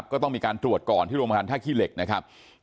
ก็ต้องมีการตรวจก่อนที่โรงพยาบาลท่าขี้เหล็กนะครับ